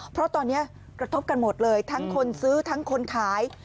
เพราะตอนนี้กระทบกันหมดเลยทั้งคนซื้อทั้งคนขาย